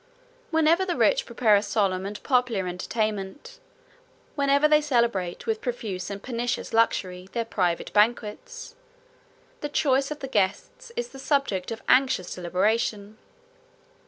Whenever the rich prepare a solemn and popular entertainment; 44 whenever they celebrate, with profuse and pernicious luxury, their private banquets; the choice of the guests is the subject of anxious deliberation.